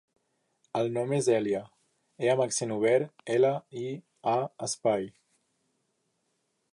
El nom és Èlia : e amb accent obert, ela, i, a, espai.